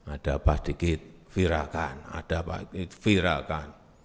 ada apa dikit viralkan ada apa viralkan